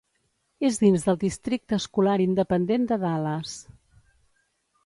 És dins del districte escolar independent de Dallas.